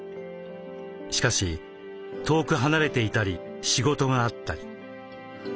しかし遠く離れていたり仕事があったり。